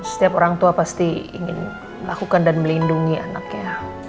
setiap orang tua pasti ingin melakukan dan melindungi anaknya